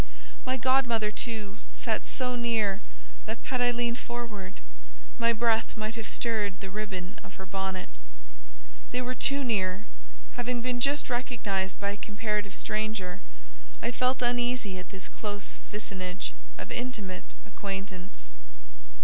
My godmother, too, sat so near, that, had I leaned forward, my breath might have stirred the ribbon of her bonnet. They were too near; having been just recognised by a comparative stranger, I felt uneasy at this close vicinage of intimate acquaintance.